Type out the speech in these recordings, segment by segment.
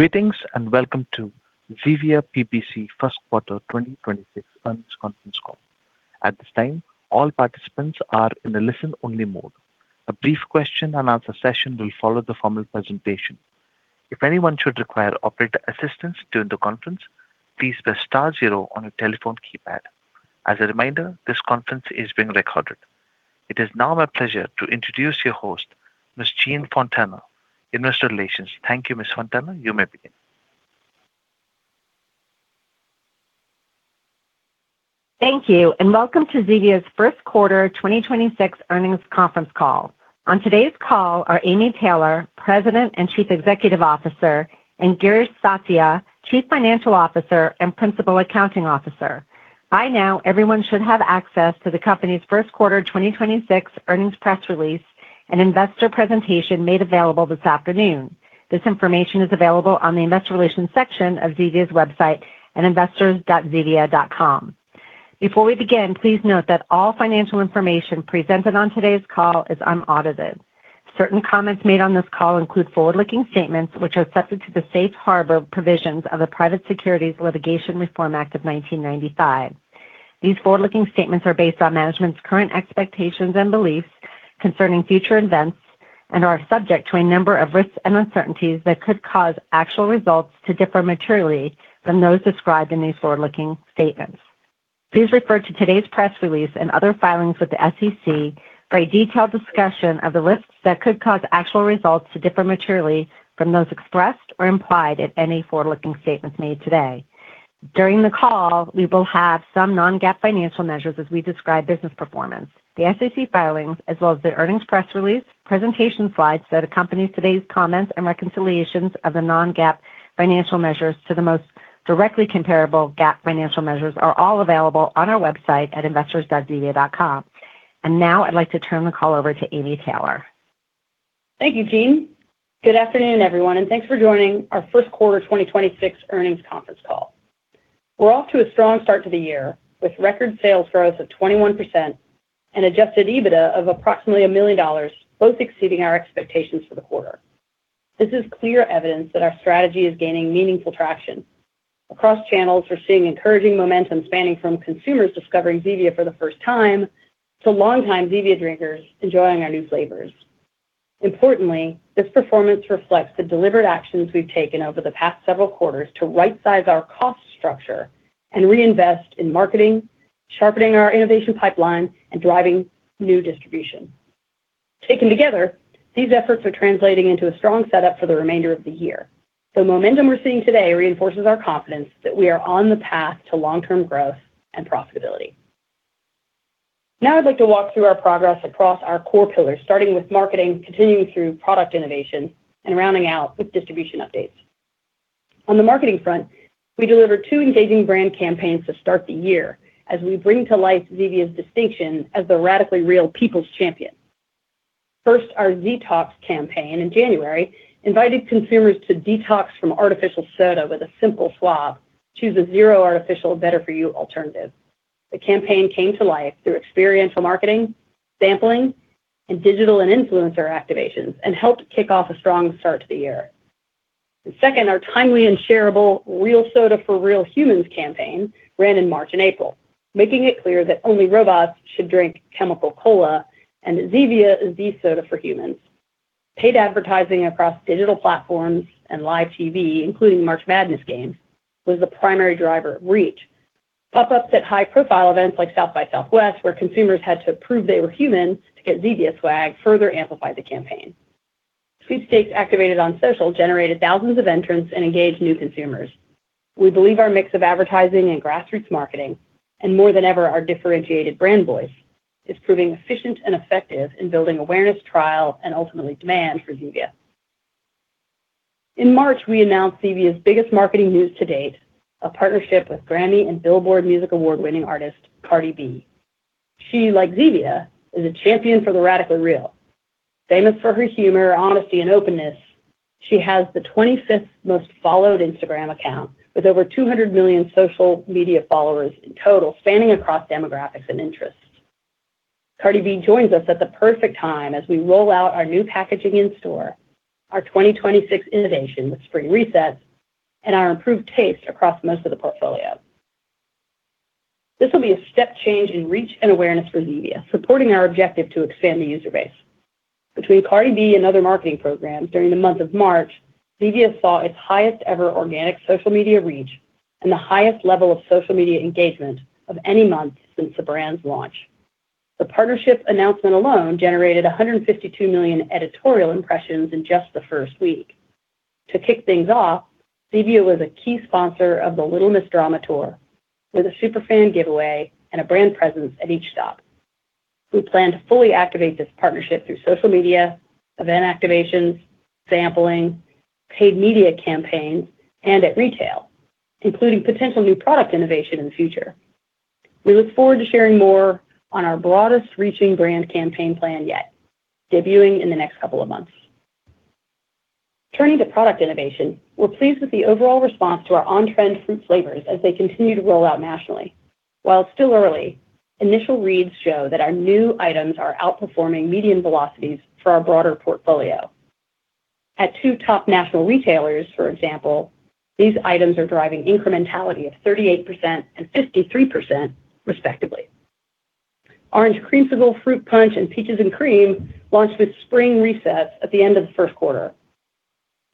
It is now my pleasure to introduce your host, Ms. Jean Fontana, Investor Relations. Thank you, Ms. Fontana. You may begin. Thank you, and welcome to Zevia's First Quarter 2026 Earnings Conference Call. On today's call are Amy Taylor, President and Chief Executive Officer, and Girish Satya, Chief Financial Officer and Principal Accounting Officer. By now, everyone should have access to the company's first quarter 2026 earnings press release and investor presentation made available this afternoon. This information is available on the investor relations section of Zevia's website at investors.zevia.com. Before we begin, please note that all financial information presented on today's call is unaudited. Certain comments made on this call include forward-looking statements which are subject to the safe harbor provisions of the Private Securities Litigation Reform Act of 1995. These forward-looking statements are based on management's current expectations and beliefs concerning future events and are subject to a number of risks and uncertainties that could cause actual results to differ materially from those described in these forward-looking statements. Please refer to today's press release and other filings with the SEC for a detailed discussion of the risks that could cause actual results to differ materially from those expressed or implied at any forward-looking statements made today. During the call, we will have some non-GAAP financial measures as we describe business performance. The SEC filings as well as the earnings press release, presentation slides that accompany today's comments, and reconciliations of the non-GAAP financial measures to the most directly comparable GAAP financial measures are all available on our website at investors.zevia.com. Now I'd like to turn the call over to Amy Taylor. Thank you, Jean. Good afternoon, everyone, and thanks for joining our first quarter 2026 earnings conference call. We're off to a strong start to the year with record sales growth of 21% and adjusted EBITDA of approximately $1 million, both exceeding our expectations for the quarter. This is clear evidence that our strategy is gaining meaningful traction. Across channels, we're seeing encouraging momentum spanning from consumers discovering Zevia for the first time to longtime Zevia drinkers enjoying our new flavors. Importantly, this performance reflects the deliberate actions we've taken over the past several quarters to rightsize our cost structure and reinvest in marketing, sharpening our innovation pipeline, and driving new distribution. Taken together, these efforts are translating into a strong setup for the remainder of the year. The momentum we're seeing today reinforces our confidence that we are on the path to long-term growth and profitability. Now I'd like to walk through our progress across our core pillars, starting with marketing, continuing through product innovation, and rounding out with distribution updates. On the marketing front, we delivered two engaging brand campaigns to start the year as we bring to life Zevia's distinction as the radically real people's champion. First, our Z-tox campaign in January invited consumers to detox from artificial soda with a simple swap. Choose a zero artificial, better for you alternative. The campaign came to life through experiential marketing, sampling, and digital and influencer activations, and helped kick off a strong start to the year. The second, our timely and shareable Real Soda for Real Humans campaign, ran in March and April, making it clear that only robots should drink chemical cola and that Zevia is the soda for humans. Paid advertising across digital platforms and live TV, including March Madness games, was the primary driver of reach. Pop-ups at high-profile events like South by Southwest, where consumers had to prove they were human to get Zevia swag, further amplified the campaign. Sweepstakes activated on social generated thousands of entrants and engaged new consumers. We believe our mix of advertising and grassroots marketing, and more than ever, our differentiated brand voice, is proving efficient and effective in building awareness, trial, and ultimately demand for Zevia. In March, we announced Zevia's biggest marketing news to date, a partnership with Grammy and Billboard Music Award-winning artist Cardi B. She, like Zevia, is a champion for the radically real. Famous for her humor, honesty, and openness, she has the 25th most followed Instagram account with over 200 million social media followers in total, spanning across demographics and interests. Cardi B joins us at the perfect time as we roll out our new packaging in store, our 2026 innovation with Spring Reset, and our improved taste across most of the portfolio. This will be a step change in reach and awareness for Zevia, supporting our objective to expand the user base. Between Cardi B and other marketing programs during the month of March, Zevia saw its highest ever organic social media reach and the highest level of social media engagement of any month since the brand's launch. The partnership announcement alone generated 152 million editorial impressions in just the first week. To kick things off, Zevia was a key sponsor of the Little Miss Drama Tour with a super fan giveaway and a brand presence at each stop. We plan to fully activate this partnership through social media, event activations, sampling, paid media campaigns, and at retail, including potential new product innovation in the future. We look forward to sharing more on our broadest-reaching brand campaign plan yet, debuting in the next couple of months. Turning to product innovation, we're pleased with the overall response to our on-trend fruit flavors as they continue to roll out nationally. While it's still early, initial reads show that our new items are outperforming median velocities for our broader portfolio. At two top national retailers, for example, these items are driving incrementality of 38% and 53% respectively. Orange Creamsicle Fruit Punch and Peaches & Cream launched with Spring Reset at the end of the first quarter.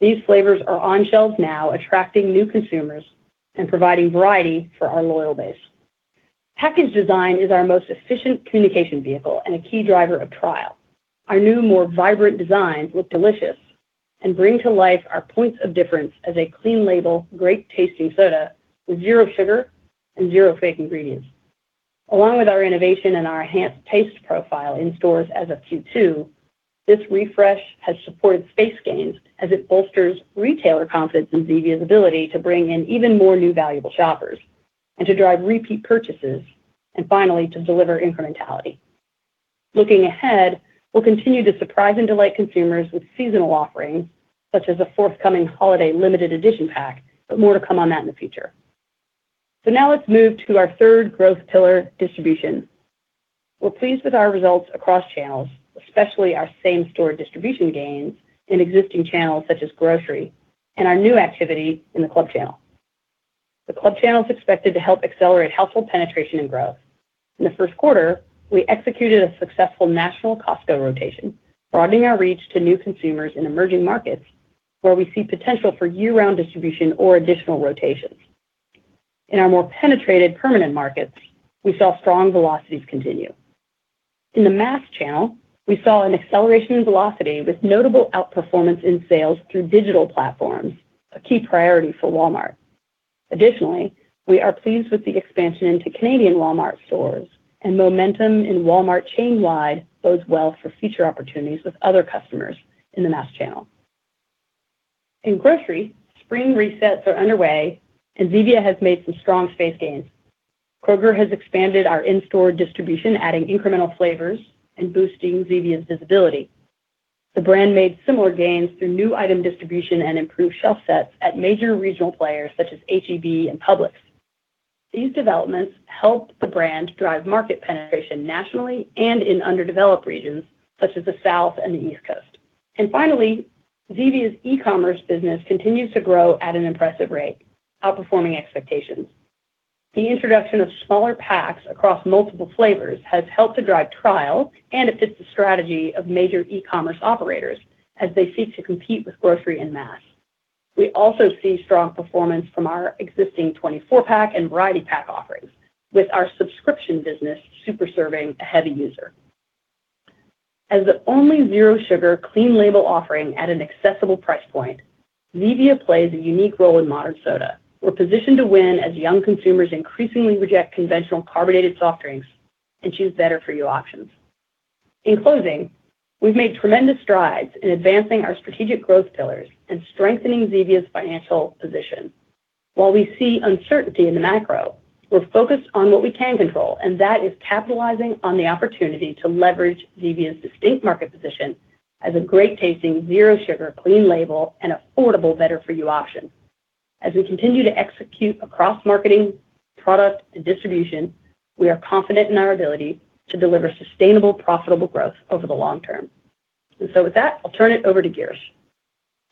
These flavors are on shelves now, attracting new consumers and providing variety for our loyal base. Package design is our most efficient communication vehicle and a key driver of trial. Our new, more vibrant designs look delicious and bring to life our points of difference as a clean label, great-tasting soda with zero sugar and zero fake ingredients. Along with our innovation and our enhanced taste profile in stores as of Q2, this refresh has supported space gains as it bolsters retailer confidence in Zevia's ability to bring in even more new valuable shoppers and to drive repeat purchases, and finally, to deliver incrementality. Looking ahead, we'll continue to surprise and delight consumers with seasonal offerings, such as a forthcoming holiday limited edition pack, but more to come on that in the future. Now let's move to our third growth pillar, distribution. We're pleased with our results across channels, especially our same-store distribution gains in existing channels such as grocery and our new activity in the club channel. The club channel is expected to help accelerate household penetration and growth. In the first quarter, we executed a successful national Costco rotation, broadening our reach to new consumers in emerging markets where we see potential for year-round distribution or additional rotations. In our more penetrated permanent markets, we saw strong velocities continue. In the mass channel, we saw an acceleration in velocity with notable outperformance in sales through digital platforms, a key priority for Walmart. Additionally, we are pleased with the expansion into Canadian Walmart stores, and momentum in Walmart chain-wide bodes well for future opportunities with other customers in the mass channel. In grocery, Spring Resets are underway, and Zevia has made some strong space gains. Kroger has expanded our in-store distribution, adding incremental flavors and boosting Zevia's visibility. The brand made similar gains through new item distribution and improved shelf sets at major regional players such as H-E-B and Publix. These developments helped the brand drive market penetration nationally and in underdeveloped regions such as the South and the East Coast. Finally, Zevia's e-commerce business continues to grow at an impressive rate, outperforming expectations. The introduction of smaller packs across multiple flavors has helped to drive trial, and it fits the strategy of major e-commerce operators as they seek to compete with grocery and mass. We also see strong performance from our existing 24 pack and variety pack offerings with our subscription business super serving a heavy user. As the only zero sugar clean label offering at an accessible price point, Zevia plays a unique role in modern soda. We're positioned to win as young consumers increasingly reject conventional carbonated soft drinks and choose better for you options. In closing, we've made tremendous strides in advancing our strategic growth pillars and strengthening Zevia's financial position. While we see uncertainty in the macro, we're focused on what we can control, and that is capitalizing on the opportunity to leverage Zevia's distinct market position as a great-tasting, zero sugar, clean label and affordable better for you option. As we continue to execute across marketing, product, and distribution, we are confident in our ability to deliver sustainable, profitable growth over the long term. With that, I'll turn it over to Girish.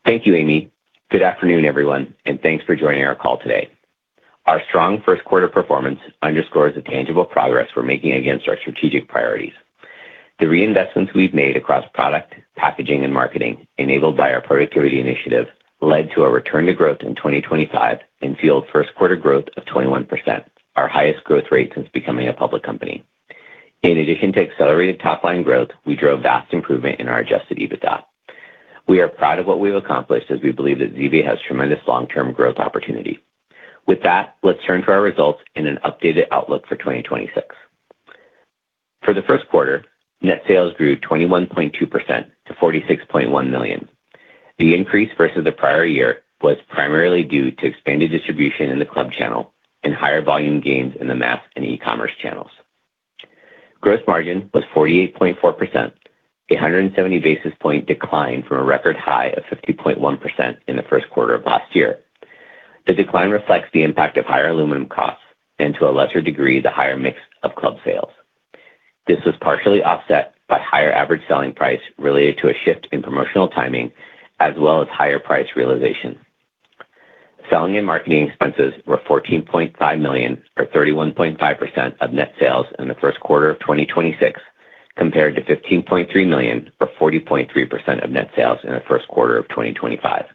Thank you, Amy. Good afternoon, everyone, and thanks for joining our call today. Our strong first quarter performance underscores the tangible progress we're making against our strategic priorities. The reinvestments we've made across product, packaging, and marketing enabled by our productivity initiative led to a return to growth in 2025 and fueled first quarter growth of 21%, our highest growth rate since becoming a public company. In addition to accelerated top-line growth, we drove vast improvement in our adjusted EBITDA. We are proud of what we've accomplished as we believe that Zevia has tremendous long-term growth opportunity. With that, let's turn to our results and an updated outlook for 2026. For the first quarter, net sales grew 21.2% to $46.1 million. The increase versus the prior year was primarily due to expanded distribution in the club channel and higher volume gains in the mass and e-commerce channels. Gross margin was 48.4%, a 170 basis point decline from a record high of 50.1% in the first quarter of last year. The decline reflects the impact of higher aluminum costs and to a lesser degree, the higher mix of club sales. This was partially offset by higher average selling price related to a shift in promotional timing as well as higher price realization. Selling and marketing expenses were $14.5 million or 31.5% of net sales in the first quarter of 2026 compared to $15.3 million or 40.3% of net sales in the first quarter of 2025.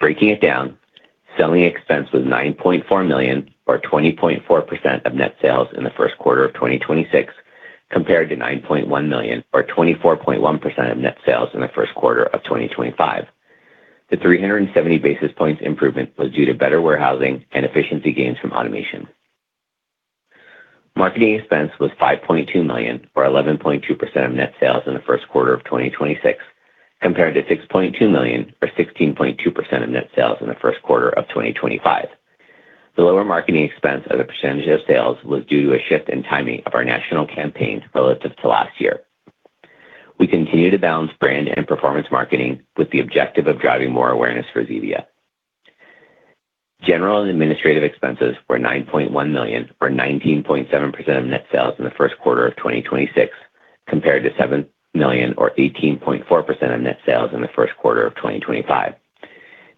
Breaking it down, selling expense was $9.4 million or 20.4% of net sales in the first quarter of 2026 compared to $9.1 million or 24.1% of net sales in the first quarter of 2025. The 370 basis points improvement was due to better warehousing and efficiency gains from automation. Marketing expense was $5.2 million or 11.2% of net sales in the first quarter of 2026 compared to $6.2 million or 16.2% of net sales in the first quarter of 2025. The lower marketing expense as a percentage of sales was due to a shift in timing of our national campaigns relative to last year. We continue to balance brand and performance marketing with the objective of driving more awareness for Zevia. General and administrative expenses were $9.1 million or 19.7% of net sales in the first quarter of 2026, compared to $7 million or 18.4% of net sales in the first quarter of 2025.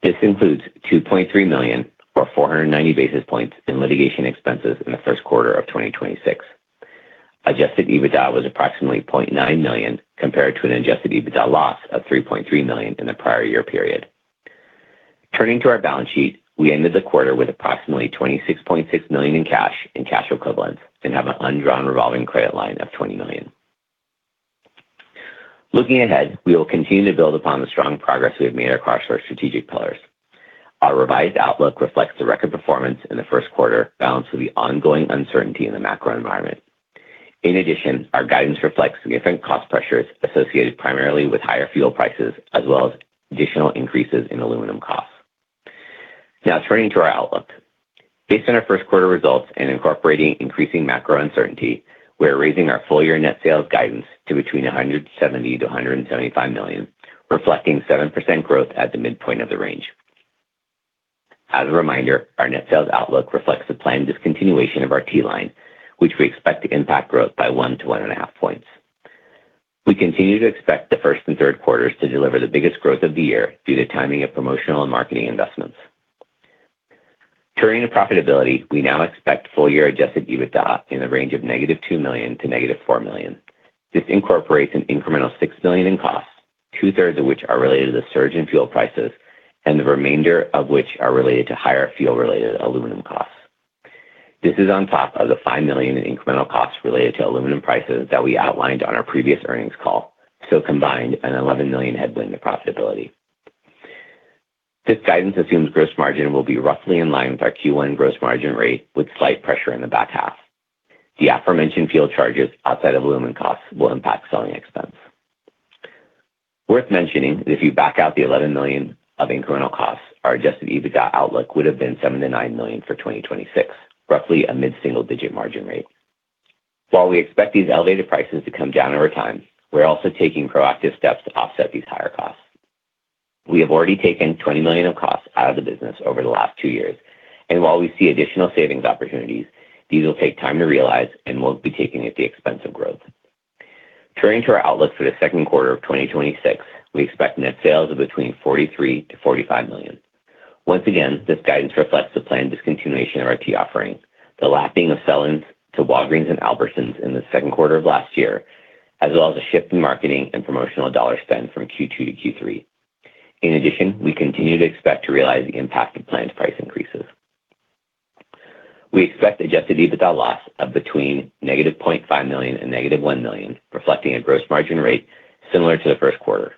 This includes $2.3 million or 490 basis points in litigation expenses in the first quarter of 2026. Adjusted EBITDA was approximately $0.9 million compared to an adjusted EBITDA loss of $3.3 million in the prior year period. Turning to our balance sheet, we ended the quarter with approximately $26.6 million in cash and cash equivalents and have an undrawn revolving credit line of $20 million. Looking ahead, we will continue to build upon the strong progress we have made across our strategic pillars. Our revised outlook reflects the record performance in the first quarter balanced with the ongoing uncertainty in the macro environment. Our guidance reflects significant cost pressures associated primarily with higher fuel prices as well as additional increases in aluminum costs. Turning to our outlook. Based on our first quarter results and incorporating increasing macro uncertainty, we're raising our full-year net sales guidance to between $170 million-$175 million, reflecting 7% growth at the midpoint of the range. As a reminder, our net sales outlook reflects the planned discontinuation of our tea line, which we expect to impact growth by 1 to 1.5 points. We continue to expect the first and third quarters to deliver the biggest growth of the year due to timing of promotional and marketing investments. Turning to profitability, we now expect full-year adjusted EBITDA in the range of -$2 million to -$4 million. This incorporates an incremental $6 million in costs, 2/3 of which are related to the surge in fuel prices and the remainder of which are related to higher fuel-related aluminum costs. This is on top of the $5 million in incremental costs related to aluminum prices that we outlined on our previous earnings call. Combined, an $11 million headwind to profitability. This guidance assumes gross margin will be roughly in line with our Q1 gross margin rate with slight pressure in the back half. The aforementioned fuel charges outside of aluminum costs will impact selling expense. Worth mentioning that if you back out the $11 million of incremental costs, our adjusted EBITDA outlook would have been $7 million-$9 million for 2026, roughly a mid-single-digit margin rate. While we expect these elevated prices to come down over time, we are also taking proactive steps to offset these higher costs. We have already taken $20 million of costs out of the business over the last two years, and while we see additional savings opportunities, these will take time to realize and will not be taken at the expense of growth. Turning to our outlook for the second quarter of 2026, we expect net sales of between $43 million-$45 million. Once again, this guidance reflects the planned discontinuation of our tea offering, the lapping of sell-ins to Walgreens and Albertsons in the second quarter of last year, as well as a shift in marketing and promotional dollar spend from Q2 to Q3. In addition, we continue to expect to realize the impact of planned price increases. We expect adjusted EBITDA loss of between -$500,000 and -$1 million, reflecting a gross margin rate similar to the first quarter.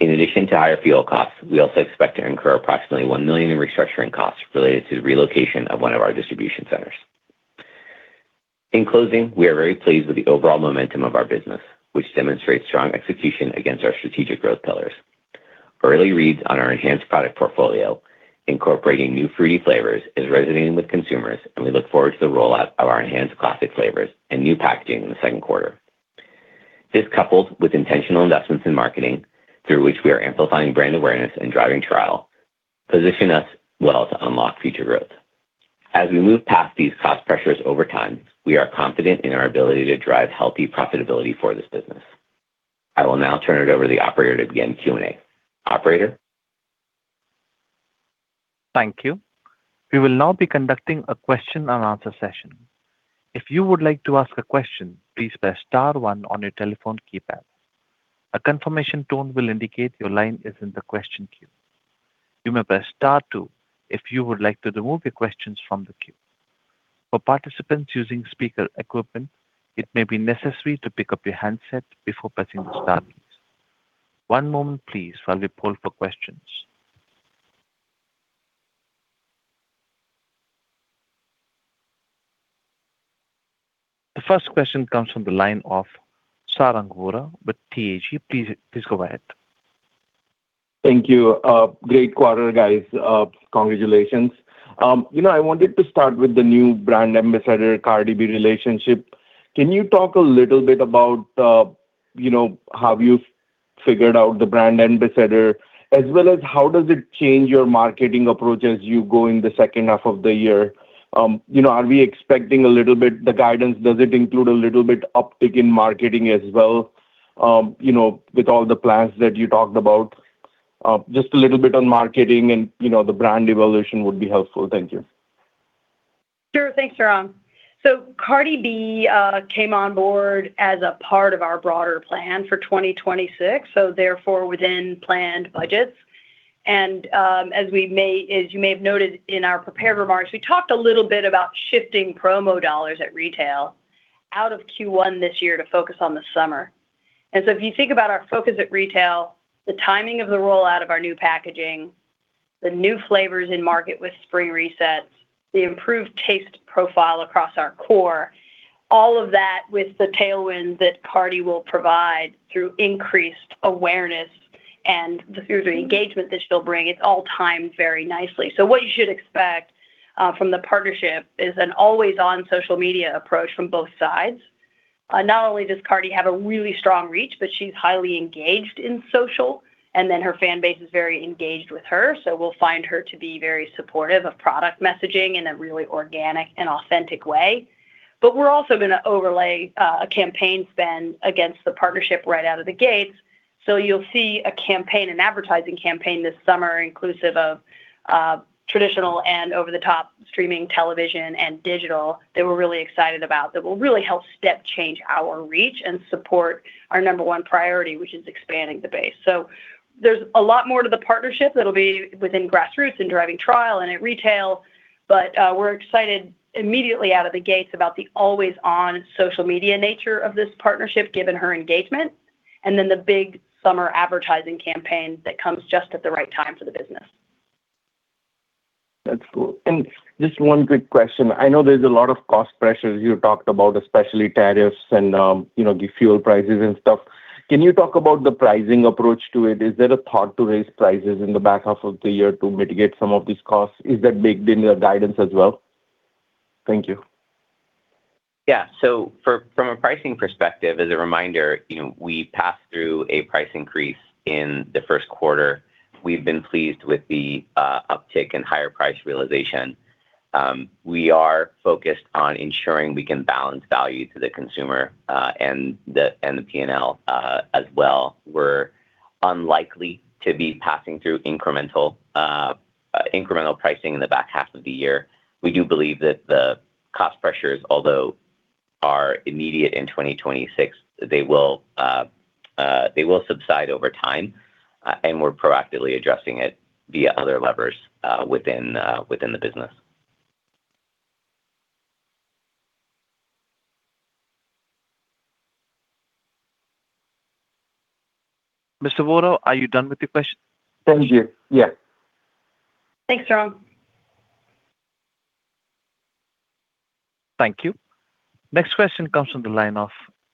In addition to higher fuel costs, we also expect to incur approximately $1 million in restructuring costs related to the relocation of one of our distribution centers. In closing, we are very pleased with the overall momentum of our business, which demonstrates strong execution against our strategic growth pillars. Early reads on our enhanced product portfolio incorporating new fruity flavors is resonating with consumers, and we look forward to the rollout of our enhanced classic flavors and new packaging in the second quarter. This, coupled with intentional investments in marketing through which we are amplifying brand awareness and driving trial, position us well to unlock future growth. As we move past these cost pressures over time, we are confident in our ability to drive healthy profitability for this business. I will now turn it over to the operator to begin Q&A. Operator? Thank you. We will now be conducting a question and answer session. If you would like to ask a question, please press star one on your telephone keypad. A confirmation tone will indicate your line is in the question queue. You may press star two if you would like to remove your questions from the queue. For participants using speaker equipment, it may be necessary to pick up your handset before pressing the star keys. One moment please while we poll for questions. The first question comes from the line of Sarang Vora with Telsey Advisory Group. Please go ahead. Thank you. great quarter, guys. congratulations. you know, I wanted to start with the new brand ambassador, Cardi B relationship. Can you talk a little bit about, you know, have you figured out the brand ambassador, as well as how does it change your marketing approach as you go in the second half of the year? you know, are we expecting a little bit the guidance? Does it include a little bit uptick in marketing as well, you know, with all the plans that you talked about? just a little bit on marketing and, you know, the brand evolution would be helpful. Thank you. Sure. Thanks, Sarang. Cardi B came on board as a part of our broader plan for 2026, therefore within planned budgets. As you may have noted in our prepared remarks, we talked a little bit about shifting promo dollars at retail out of Q1 this year to focus on the summer. If you think about our focus at retail, the timing of the rollout of our new packaging, the new flavors in market with Spring Reset, the improved taste profile across our core, all of that with the tailwind that Cardi will provide through increased awareness and the user engagement that she'll bring, it's all timed very nicely. What you should expect From the partnership is an always-on social media approach from both sides. Not only does Cardi have a really strong reach, but she's highly engaged in social, and then her fan base is very engaged with her. We'll find her to be very supportive of product messaging in a really organic and authentic way. We're also gonna overlay a campaign spend against the partnership right out of the gates. You'll see a campaign, an advertising campaign this summer, inclusive of traditional and over-the-top streaming television and digital that we're really excited about that will really help step change our reach and support our number one priority, which is expanding the base. There's a lot more to the partnership that'll be within grassroots and driving trial and at retail, but, we're excited immediately out of the gates about the always-on social media nature of this partnership, given her engagement, and then the big summer advertising campaign that comes just at the right time for the business. That's cool. Just one quick question. I know there's a lot of cost pressures you talked about, especially tariffs and, you know, the fuel prices and stuff. Can you talk about the pricing approach to it? Is there a thought to raise prices in the back half of the year to mitigate some of these costs? Is that baked into your guidance as well? Thank you. Yeah. From a pricing perspective, as a reminder, you know, we passed through a price increase in the first quarter. We've been pleased with the uptick in higher price realization. We are focused on ensuring we can balance value to the consumer and the P&L as well. We're unlikely to be passing through incremental pricing in the back half of the year. We do believe that the cost pressures, although are immediate in 2026, they will subside over time, and we're proactively addressing it via other levers within the business. Mr. Vora, are you done with your question? Thank you. Yeah. Thanks, Sarang. Thank you. Next question comes from the line of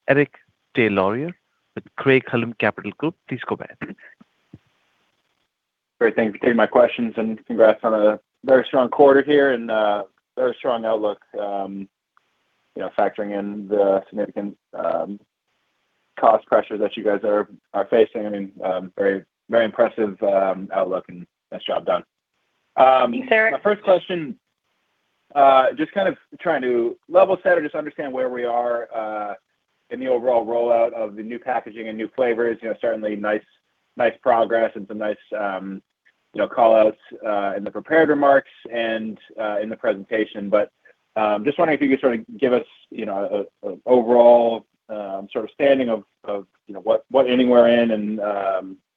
Eric Des Lauriers with Craig-Hallum Capital Group. Please go ahead. Great. Thank you for taking my questions. Congrats on a very strong quarter here and very strong outlook, you know, factoring in the significant cost pressures that you guys are facing. I mean, very impressive outlook and nice job done. Thanks, Eric. My first question, just kind of trying to level set or just understand where we are in the overall rollout of the new packaging and new flavors. You know, certainly nice progress and some nice, you know, call-outs in the prepared remarks and in the presentation. Just wondering if you could sort of give us, you know, an overall sort of standing of, you know, what inning we're in and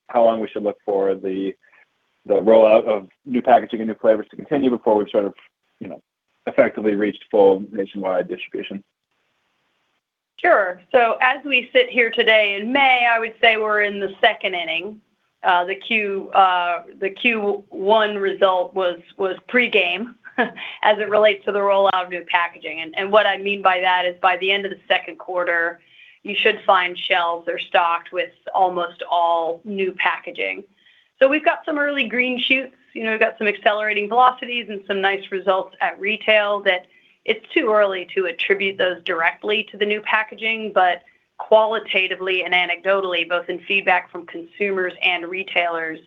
how long we should look for the rollout of new packaging and new flavors to continue before we've sort of, you know, effectively reached full nationwide distribution? Sure. As we sit here today in May, I would say we're in the second inning. The Q1 result was pre-game as it relates to the rollout of new packaging. What I mean by that is by the end of the second quarter, you should find shelves are stocked with almost all new packaging. We've got some early green shoots, you know. We've got some accelerating velocities and some nice results at retail that it's too early to attribute those directly to the new packaging. Qualitatively and anecdotally, both in feedback from consumers and retailers,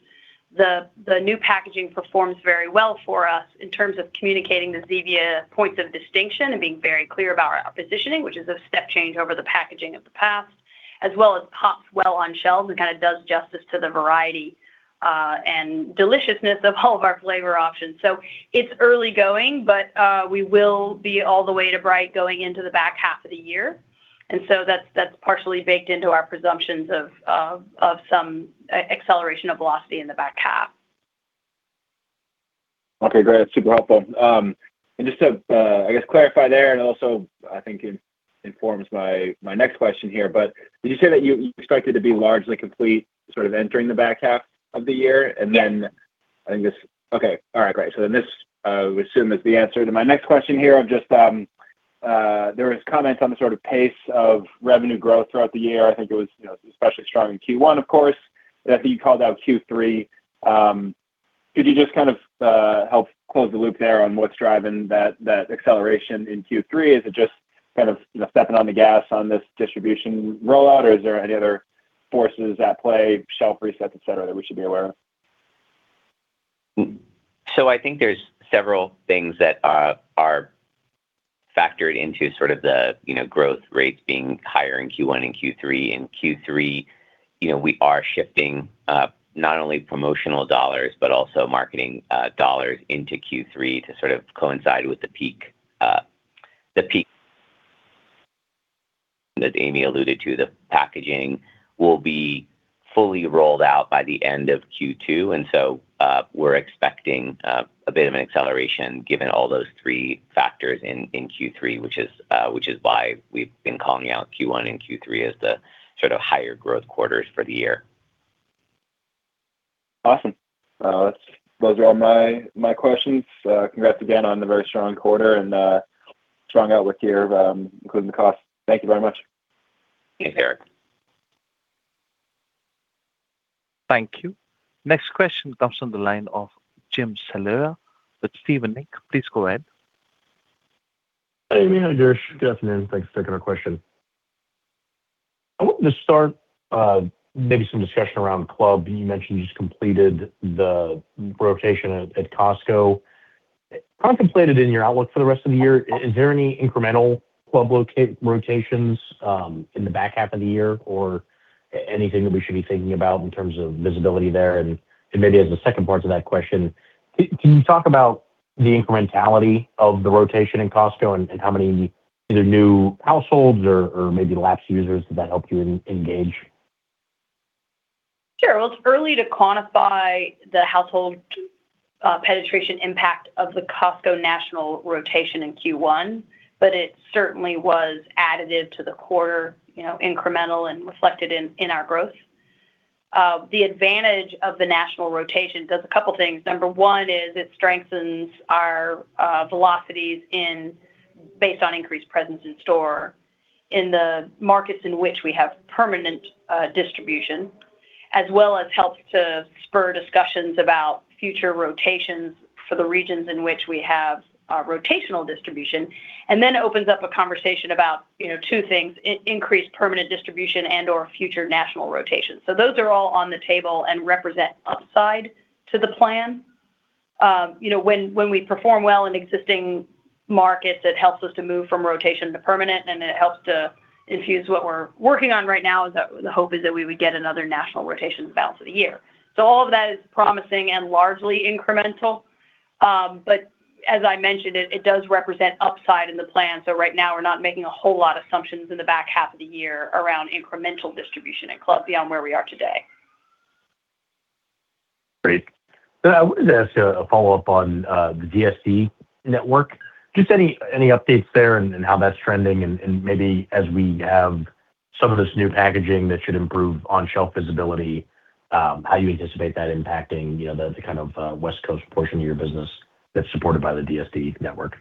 the new packaging performs very well for us in terms of communicating the Zevia points of distinction and being very clear about our positioning, which is a step change over the packaging of the past, as well as pops well on shelves and kinda does justice to the variety and deliciousness of all of our flavor options. It's early going, but we will be all the way to bright going into the back half of the year. That's partially baked into our presumptions of some acceleration of velocity in the back half. Okay, great. That's super helpful. Just to, I guess clarify there and also I think it informs my next question here, but did you say that you expected to be largely complete sort of entering the back half of the year? Yes. Okay. All right, great. This, we assume is the answer to my next question here of just, there was comments on the sort of pace of revenue growth throughout the year. I think it was, you know, especially strong in Q1, of course. I think you called out Q3. Could you just kind of help close the loop there on what's driving that acceleration in Q3? Is it just kind of, you know, stepping on the gas on this distribution rollout, or is there any other forces at play, shelf resets, et cetera, that we should be aware of? I think there's several things that are factored into sort of the, you know, growth rates being higher in Q1 and Q3. In Q3, you know, we are shifting not only promotional dollars, but also marketing dollars into Q3 to sort of coincide with the peak that Amy alluded to. The packaging will be fully rolled out by the end of Q2. We're expecting a bit of an acceleration given all those three factors in Q3, which is why we've been calling out Q1 and Q3 as the sort of higher growth quarters for the year. Awesome. Those are all my questions. Congrats again on the very strong quarter and strong outlook here, including the cost. Thank you very much. Thanks, Eric. Thank you. Next question comes on the line of Jim Salera with Stephens Inc. Please go ahead. Hey, Amy and Girish. Good afternoon. Thanks for taking our question. I want to start, maybe some discussion around club. You mentioned you just completed the rotation at Costco. Contemplated in your outlook for the rest of the year, is there any incremental club rotations in the back half of the year or anything that we should be thinking about in terms of visibility there? Maybe as a second part to that question, can you talk about the incrementality of the rotation in Costco and how many either new households or maybe lapsed users did that help you engage? Sure. It's early to quantify the household penetration impact of the Costco national rotation in Q1, it certainly was additive to the quarter, you know, incremental and reflected in our growth. The advantage of the national rotation does a couple things. Number one is it strengthens our velocities in based on increased presence in store in the markets in which we have permanent distribution, as well as helps to spur discussions about future rotations for the regions in which we have rotational distribution. It opens up a conversation about, you know, two things, increased permanent distribution and/or future national rotations. Those are all on the table and represent upside to the plan. You know, when we perform well in existing markets, it helps us to move from rotation to permanent, and it helps to infuse what we're working on right now. The, the hope is that we would get another national rotation the balance of the year. All of that is promising and largely incremental. As I mentioned, it does represent upside in the plan. Right now, we're not making a whole lot assumptions in the back half of the year around incremental distribution and club beyond where we are today. Great. I wanted to ask you a follow-up on the DSD network. Just any updates there and how that's trending and maybe as we have some of this new packaging that should improve on-shelf visibility, how you anticipate that impacting, you know, the kind of West Coast portion of your business that's supported by the DSD network.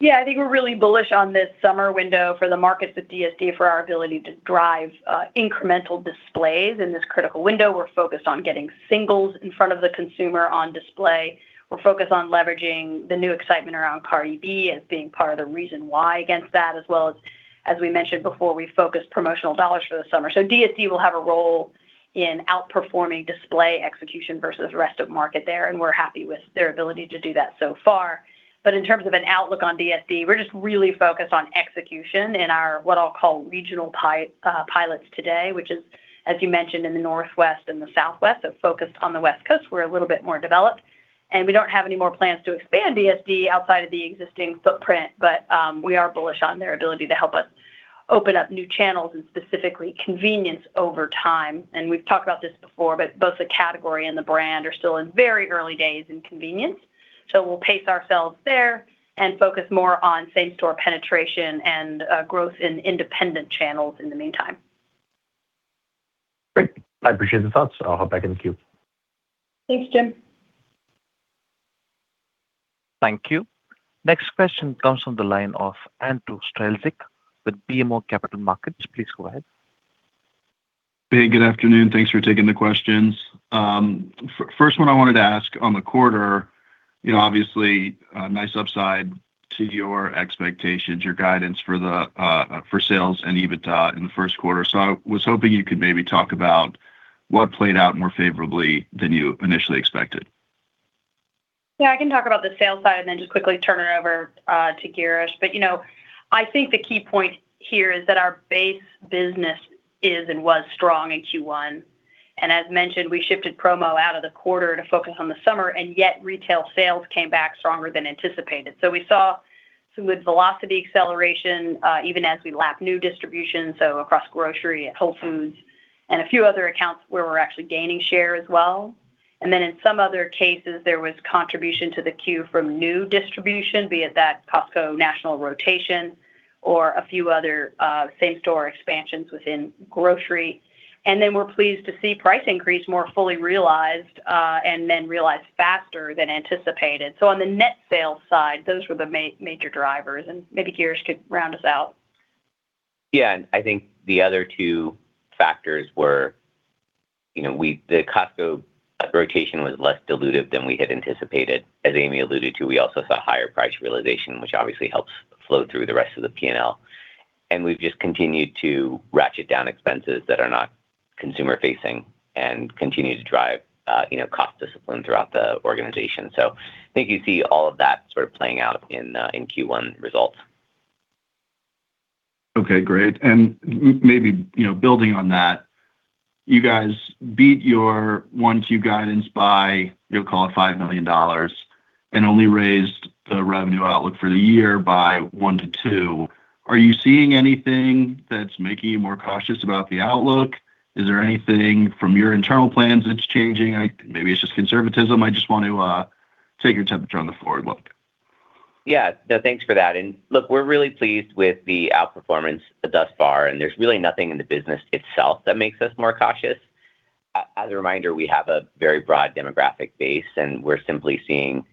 Yeah. I think we're really bullish on this summer window for the markets with DSD for our ability to drive incremental displays in this critical window. We're focused on getting singles in front of the consumer on display. We're focused on leveraging the new excitement around Cardi B as being part of the reason why against that as well as we mentioned before, we focus promotional dollars for the summer. DSD will have a role in outperforming display execution versus rest of market there, and we're happy with their ability to do that so far. In terms of an outlook on DSD, we're just really focused on execution in our, what I'll call regional pilots today, which is, as you mentioned, in the Northwest and the Southwest, so focused on the West Coast. We're a little bit more developed. We don't have any more plans to expand DSD outside of the existing footprint, we are bullish on their ability to help us open up new channels and specifically convenience over time. We've talked about this before, both the category and the brand are still in very early days in convenience. We'll pace ourselves there and focus more on same-store penetration and growth in independent channels in the meantime. Great. I appreciate the thoughts. I'll hop back in the queue. Thanks, Jim. Thank you. Next question comes from the line of Andrew Strelzik with BMO Capital Markets. Please go ahead. Hey, good afternoon. Thanks for taking the questions. First one I wanted to ask on the quarter, you know, obviously a nice upside to your expectations, your guidance for sales and EBITDA in the first quarter. I was hoping you could maybe talk about what played out more favorably than you initially expected. Yeah, I can talk about the sales side and then just quickly turn it over to Girish. You know, I think the key point here is that our base business is and was strong in Q1. As mentioned, we shifted promo out of the quarter to focus on the summer, yet retail sales came back stronger than anticipated. We saw some good velocity acceleration even as we lap new distribution, across grocery at Whole Foods and a few other accounts where we're actually gaining share as well. Then in some other cases, there was contribution to the queue from new distribution, be it that Costco national rotation or a few other same-store expansions within grocery. Then we're pleased to see price increase more fully realized, then realized faster than anticipated. On the net sales side, those were the major drivers, and maybe Girish could round us out. Yeah. I think the other two factors were, you know, the Costco rotation was less dilutive than we had anticipated. As Amy alluded to, we also saw higher price realization, which obviously helps flow through the rest of the P&L. We've just continued to ratchet down expenses that are not consumer-facing and continue to drive, you know, cost discipline throughout the organization. I think you see all of that sort of playing out in Q1 results. Okay, great. Maybe, you know, building on that, you guys beat your 1Q guidance by, we'll call it $5 million, only raised the revenue outlook for the year by one to two. Are you seeing anything that's making you more cautious about the outlook? Is there anything from your internal plans that's changing? Maybe it's just conservatism. I just want to take your temperature on the forward look. No, thanks for that. Look, we're really pleased with the outperformance thus far, and there's really nothing in the business itself that makes us more cautious. As a reminder, we have a very broad demographic base, and we're simply seeing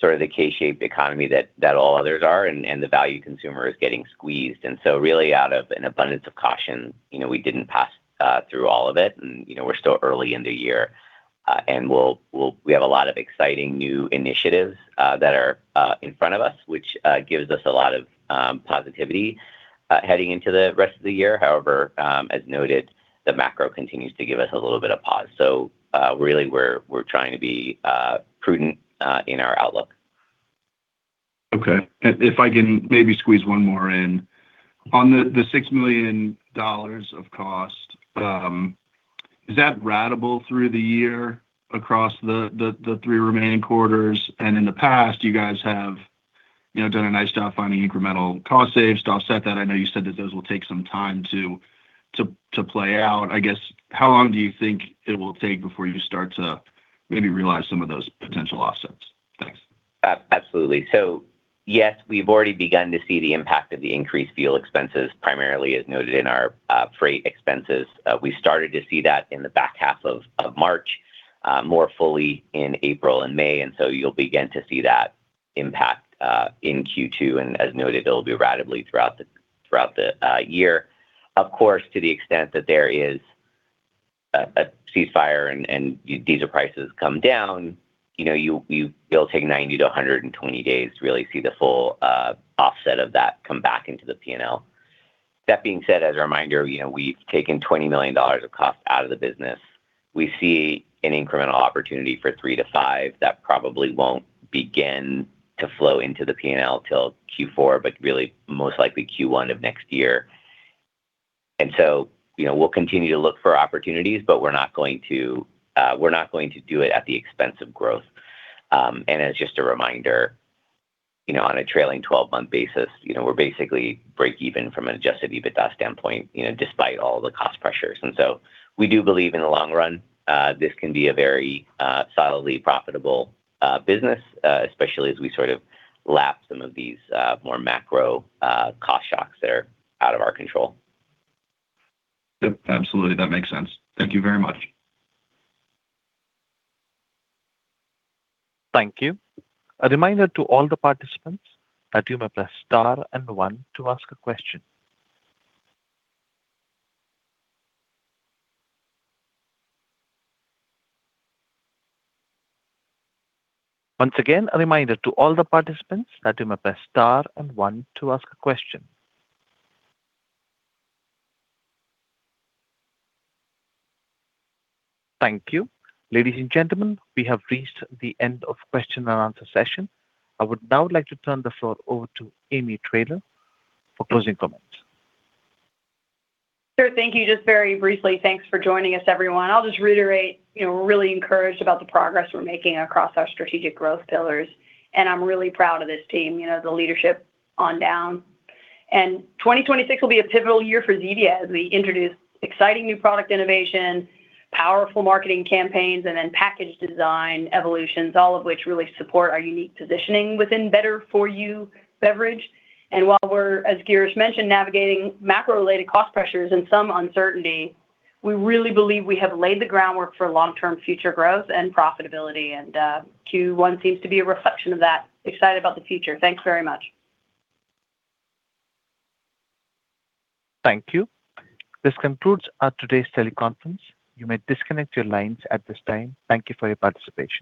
sort of the K-shaped economy that all others are and the value consumer is getting squeezed. Really out of an abundance of caution, you know, we didn't pass through all of it. You know, we're still early in the year, and we have a lot of exciting new initiatives that are in front of us, which gives us a lot of positivity heading into the rest of the year. However, as noted, the macro continues to give us a little bit of pause. Really we're trying to be prudent in our outlook. Okay. If I can maybe squeeze one more in. On the $6 million of cost, is that ratable through the year across the three remaining quarters? In the past, you guys have, you know, done a nice job finding incremental cost saves to offset that. I know you said that those will take some time to play out. I guess, how long do you think it will take before you start to maybe realize some of those potential offsets? Thanks. Absolutely. Yes, we've already begun to see the impact of the increased fuel expenses, primarily as noted in our freight expenses. We started to see that in the back half of March, more fully in April and May. You'll begin to see that impact in Q2. As noted, it'll be ratably throughout the year. Of course, to the extent that there is a ceasefire and diesel prices come down, you know, it'll take 90 to 120 days to really see the full offset of that come back into the P&L. That being said, as a reminder, you know, we've taken $20 million of cost out of the business. We see an incremental opportunity for three to five that probably won't begin to flow into the P&L till Q4, but really most likely Q1 of next year. You know, we'll continue to look for opportunities, but we're not going to do it at the expense of growth. As just a reminder, you know, on a trailing 12-month basis, you know, we're basically break even from an adjusted EBITDA standpoint, you know, despite all the cost pressures. We do believe in the long run, this can be a very solidly profitable business, especially as we sort of lap some of these more macro cost shocks that are out of our control. Yep, absolutely. That makes sense. Thank you very much. Thank you. A reminder to all the participants that you may press star and one to ask a question. Once again, a reminder to all the participants that you may press star and one to ask a question. Thank you. Ladies and gentlemen, we have reached the end of question and answer session. I would now like to turn the floor over to Amy Taylor for closing comments. Sure. Thank you. Just very briefly, thanks for joining us, everyone. I'll just reiterate, you know, we're really encouraged about the progress we're making across our strategic growth pillars, and I'm really proud of this team, you know, the leadership on down. 2026 will be a pivotal year for Zevia as we introduce exciting new product innovation, powerful marketing campaigns, and then package design evolutions, all of which really support our unique positioning within Better For You beverage. While we're, as Girish mentioned, navigating macro-related cost pressures and some uncertainty, we really believe we have laid the groundwork for long-term future growth and profitability. Q1 seems to be a reflection of that. Excited about the future. Thanks very much. Thank you. This concludes today's teleconference. You may disconnect your lines at this time. Thank you for your participation.